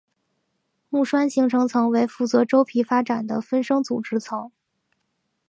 木栓形成层为负责周皮发展的分生组织层。